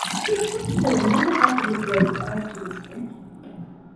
He practically never had to miss work owing to his drinking.